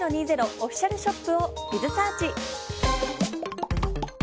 オフィシャルショップを。